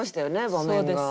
場面が。